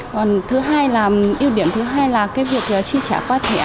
còn thứ hai là ưu điểm thứ hai là cái việc chi trả qua thẻ